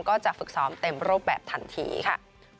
ก็จะฝึกซ้อมเต็มรูปแบบทันทีค่ะ